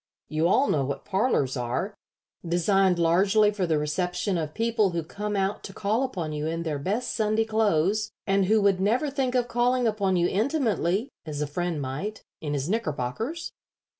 You all know what parlors are designed largely for the reception of people who come out to call upon you in their best Sunday clothes, and who would never think of calling upon you intimately, as a friend might, in his knickerbockers.